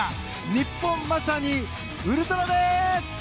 日本、まさにウルトラです！